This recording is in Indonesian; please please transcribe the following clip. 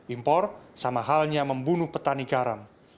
impor sama halnya membunuh petani garam